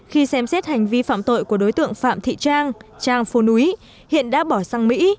khi xem xét hành vi phạm tội của đối tượng phạm thị trang trang phú núi hiện đã bỏ sang mỹ